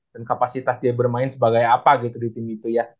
dan kapasitas dia bermain sebagai apa gitu di tim itu ya